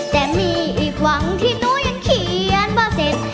แต่มีอีกหวังที่หนูยังเขียนว่าเสร็จ